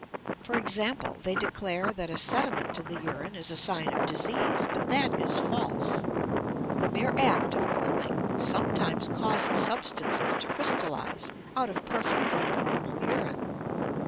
For example, they declare that a sediment in the urine is a sign of disease; but that is false. The mere act of cooling sometimes causes substances to crystallize out of perfectly normal urine.